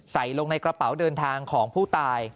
ใส่ลงในกระเป๋าเดินทางของผู้ตาย